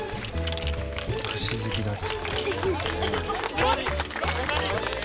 「お菓子好きだって」